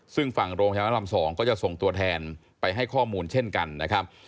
ซึ่งฝั่งโรงพยาบาลพระราม๒ก็จะส่งตัวแทนไปให้ข้อมูลเช่นกันนะครับ